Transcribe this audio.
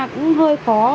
cũng hơi khó